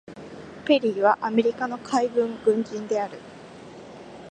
ペリーはアメリカの海軍軍人である。